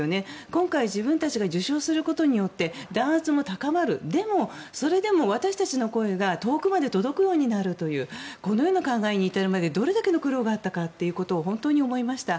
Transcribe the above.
今回、自分たちが受賞することによって弾圧も高まるでも私たちの声が遠くまで届くようになるとこのような考えに至るまでにどれだけの苦労があったかって本当に思いました。